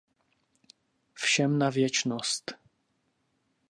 Všem na věčnost.